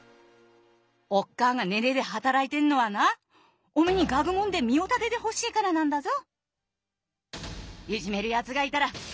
おっかあが寝ねえで働いてんのはなおめに学問で身を立ててほしいからなんだぞ。